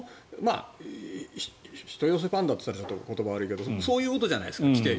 人寄せパンダといったら言葉が悪いけどそういうことじゃないですか。